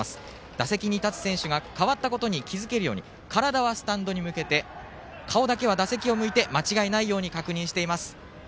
打席に立つ選手が代わったことに気が付けるように体はスタンドに向けて顔だけは打席を向いて間違えのないように確認しています。